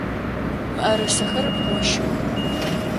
Мыӏэрысэхэр гощых!